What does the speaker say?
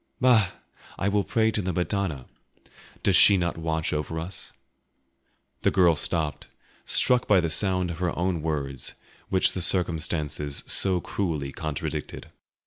"Bah! I will pray to the Madonna. Does she not watch over us?" The girl stopped, struck by the sound of her own words, which the circumstances so cruelly contradicted.